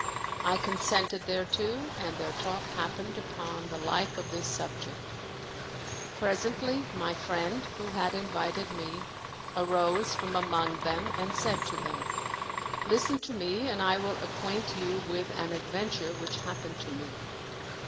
I consented thereto and their talk happened upon the like of this subject. Presently, my friend, who had invited me, arose from among them and said to them, " Listen to me and I will acquaint you with an adventure which happened to me.